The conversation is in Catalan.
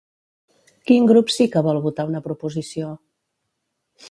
Quin grup sí que vol votar una proposició?